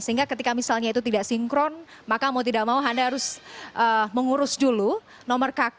sehingga ketika misalnya itu tidak sinkron maka mau tidak mau anda harus mengurus dulu nomor kk